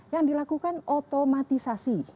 yang dilakukan otomatisasi